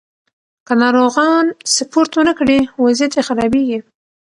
که ناروغان سپورت ونه کړي، وضعیت یې خرابېږي.